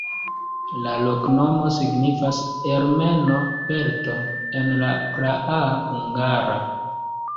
La loknomo signifas ermeno-pelto en la praa hungara.